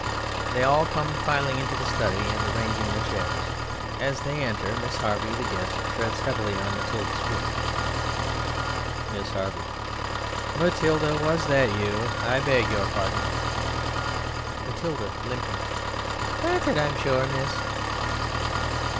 (They all come filing into the study and arranging the chairs. As they enter MISS HARVEY, the guest, treads heavily on MATILDA'S foot.) MISS HARVEY: Matilda? Was that you? I beg your pardon. MATILDA (limping): Granted, I'm sure, miss!